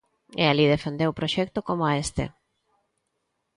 E alí defendeu proxecto coma este.